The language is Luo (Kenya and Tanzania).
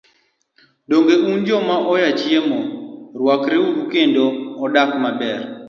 Donge en un joma chiemo, rwakore kendo odak maber?